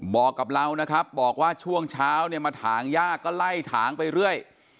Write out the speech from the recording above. บอกกับเรานะครับบอกว่าช่วงเช้าเนี่ยมาถางย่าก็ไล่ถางไปเรื่อย